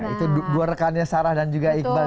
itu dua rekannya sarah dan juga iqbal